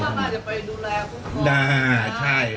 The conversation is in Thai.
พวกเขาก็อาจจะไปดูแลผู้พ่อ